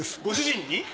ご主人に？